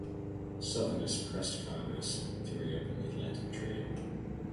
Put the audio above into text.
Southerners pressed Congress to reopen the Atlantic trade.